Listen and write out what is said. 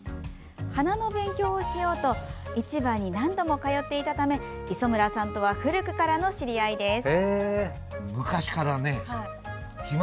花の勉強をしようと市場に何度も通っていたため磯村さんとは古くからの知り合いです。